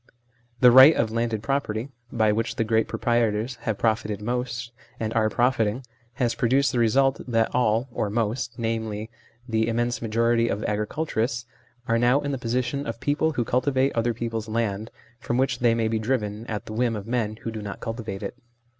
The right of landed property, by which the great proprietors have profited most, and are profiting, has produced the result that all, or most, i.e. the immense majority of the 78 THE SLAVERY OF OUR TIMES agriculturists, are now in the position of people who cultivate other people's land, from which they may be driven at the whim of men who do not cultivate it.